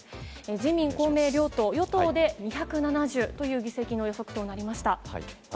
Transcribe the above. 自民、公明両党、与党で２７０という議席の予測となりました。